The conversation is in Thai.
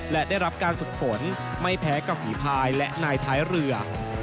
และได้รับการฝึกฝนไม่แพ้กับฝีพายและนายท้ายเรือ